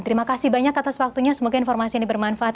terima kasih banyak atas waktunya semoga informasi ini bermanfaat